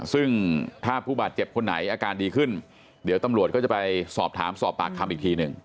ซึ่งถ้าผู้บาดเจ็บคนไหนอาการดีขึ้นเดี๋ยวตำรวจก็จะไปสอบถามสอบปากคำอีกทีหนึ่ง